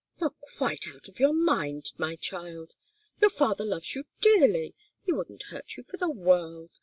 "You're quite out of your mind, my child! Your father loves you dearly. He wouldn't hurt you for the world.